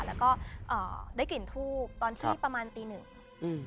แล้วก็อ่าได้กลิ่นทูบตอนที่ประมาณตีหนึ่งอืม